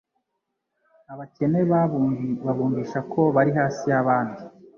abakene babumvisha ko bari hasi y'abandi.